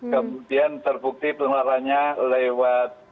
kemudian terbukti penularannya lewat